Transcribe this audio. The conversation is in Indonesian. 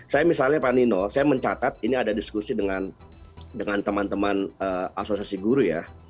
saya misalnya pak nino saya mencatat ini ada diskusi dengan teman teman asosiasi guru ya